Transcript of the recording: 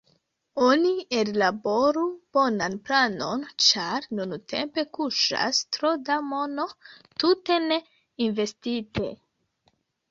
Oni ellaboru bonan planon, ĉar nuntempe kuŝas tro da mono tute ne investite.